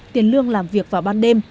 tiền lương làm việc vào ban đêm